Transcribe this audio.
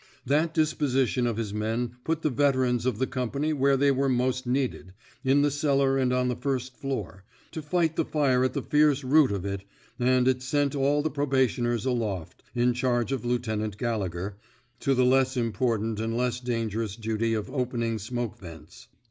That disposition of his men put the veter ans of the company where they were most needed — in the cellar and on the first floor — to fight the fire at the fierce root of it, and it sent all the probationers aloft, in charge of Lieutenant Gallegher, to the less impor tant and less dangerous duty of opening smoke vents.